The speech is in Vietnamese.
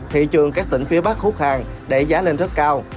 thị trường các tỉnh phía bắc hút hàng đẩy giá lên rất cao